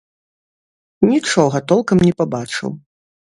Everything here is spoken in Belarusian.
Нічога толкам не пабачыў.